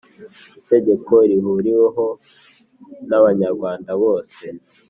itegeko rihuriweho n Abanyarwanda bose